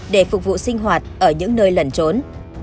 để phục vụ sinh hoạt ở những nơi lẩn trốn